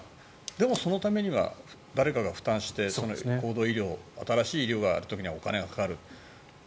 でもそのためには誰かが負担をして高度医療、新しい医療をやるって時にはお金がかかる。